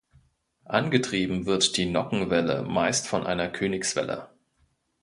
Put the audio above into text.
Angetrieben wird die Nockenwelle meist von einer Königswelle.